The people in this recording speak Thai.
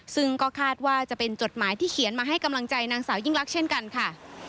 ซึ่งก็คาดว่าจะเป็นจดหมายที่เขียนมาให้กำลังใจนางสาวยิ่งรักเช่นกันค่ะ